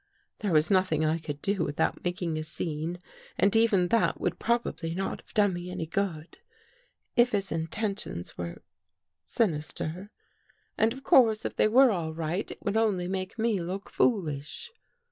There was nothing I could do without making a scene and even that would probably not have done me any good, if his intentions were — sinister. And, of course, if they were all right, it would only make me look fool ish.